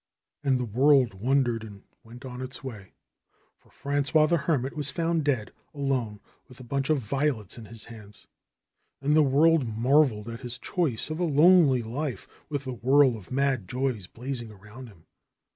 And the world wondered and went on its way. For Frangois the Hermit was found dead, alone, with a bunch of violets in his hands ! And the world marveled at his choice of a lonely life, with the whirl of mad joys blazing around him.